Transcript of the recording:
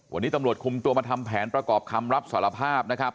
วันนี้ตำรวจคุมตัวมาทำแผนประกอบคำรับสารภาพนะครับ